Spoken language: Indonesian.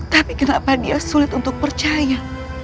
tapi kenapa dia sulit untuk percaya